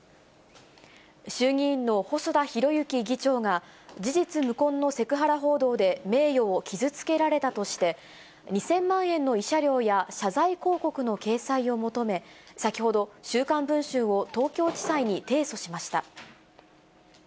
衆議院の細田博之議長が、事実無根のセクハラ報道で名誉を傷つけられたとして、２０００万円の慰謝料や謝罪広告の掲載を求め、先ほど、週刊文春を東京地裁に提訴しました。